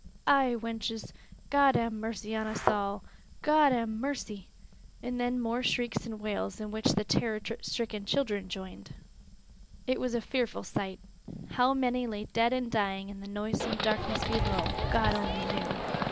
"Ay, wenches, God ha' mercy on us aw' God ha' mercy!" And then more shrieks and wails, in which the terror stricken children joined. It was a fearful sight. How many lay dead and dying in the noisome darkness below, God only knew!